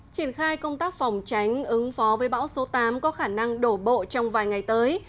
triển khai công tác phòng tránh ứng phó với bão số tám có khả năng đổ bộ trong vài ngày tới